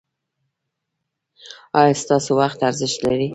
ایا ستاسو وخت ارزښت لري؟